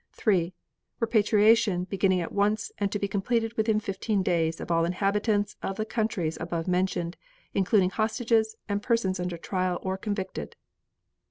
3. Repatriation beginning at once and to be completed within fifteen days of all inhabitants of the countries above mentioned, including hostages and persons under trial or convicted.